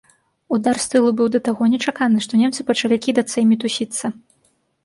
Удар з тылу быў да таго нечаканы, што немцы пачалі кідацца і мітусіцца.